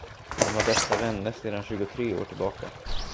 De var bästa vänner sedan tjugotre år tillbaka.